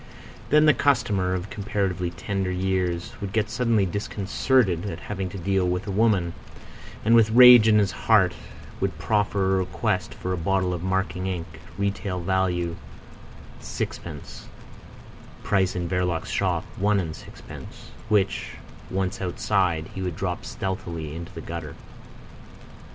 Then the customer of comparatively tender years would get suddenly disconcerted at having to deal with a woman, and with rage in his heart would proffer a request for a bottle of marking ink, retail value sixpence (price in Verloc's shop one and sixpence), which, once outside, he would drop stealthily into the gutter.